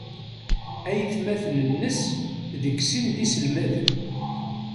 Aytmaten-nnes deg sin d iselmaden.